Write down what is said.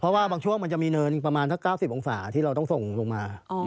เพราะว่าบางช่วงมันจะมีเนินประมาณสัก๙๐องศาที่เราต้องส่งลงมา